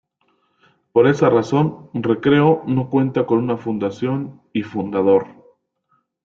Por esta razón Recreo no cuenta con una fundación y fundador.